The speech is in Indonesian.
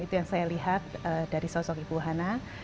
itu yang saya lihat dari sosok ibu hana